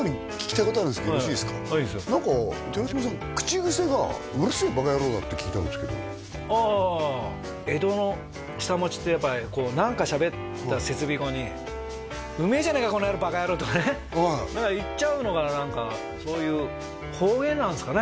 いいですよ何か寺島さん口癖が「うるせえバカ野郎」だって聞いたんですけどああ江戸の下町ってやっぱ何かしゃべった接尾語に「うめえじゃねえかこの野郎バカ野郎」とかね言っちゃうのが何かそういう方言なんですかね